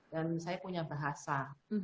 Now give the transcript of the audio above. dan saya punya bahasa